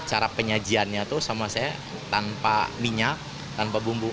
cara penyajiannya tuh sama saya tanpa minyak tanpa bumbu